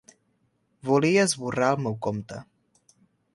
Volia esborrar el meu compte.